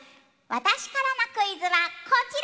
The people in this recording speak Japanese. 私からのクイズはこちら。